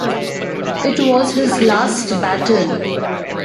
It was his last battle.